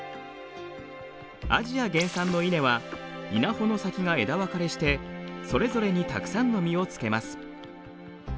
アジア原産の稲は稲穂の先が枝分かれしてそれぞれにたくさんの実をつけます。